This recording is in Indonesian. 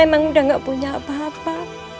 memang sudah gak punya apa apa